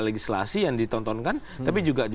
legislasi yang ditontonkan tapi juga di